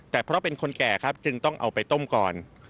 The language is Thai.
แต่เพราะเป็นคนแก่ครับจึงต้องเอาไปต้มก่อน